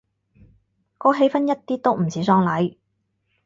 個氣氛一啲都唔似喪禮